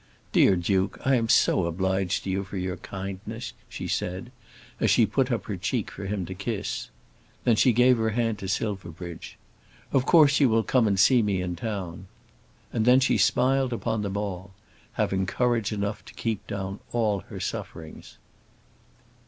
"Dear Duke, I am so obliged to you for your kindness," she said, as she put up her cheek for him to kiss. Then she gave her hand to Silverbridge. "Of course you will come and see me in town." And she smiled upon them all; having courage enough to keep down all her sufferings.